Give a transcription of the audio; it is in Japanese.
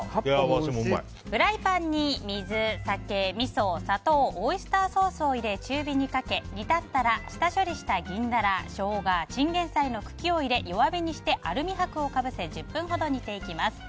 フライパンに水、酒、みそ、砂糖オイスターソースを入れ中火にかけ、煮立ったら下処理した銀ダラ、ショウガチンゲンサイの茎を入れ弱火にして、アルミ箔をかぶせ１０分ほど煮ていきます。